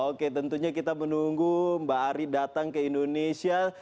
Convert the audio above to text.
oke tentunya kita menunggu mbak ari datang ke indonesia